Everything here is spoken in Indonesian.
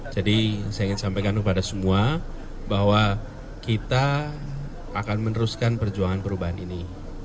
jadi saya ingin sampaikan kepada semua bahwa kita akan meneruskan perjuangan perubahan ini